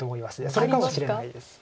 それかもしれないです。